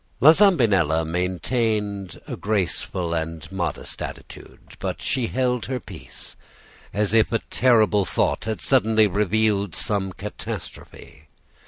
"La Zambinella maintained a graceful and modest attitude; but she held her peace, as if a terrible thought had suddenly revealed some catastrophe.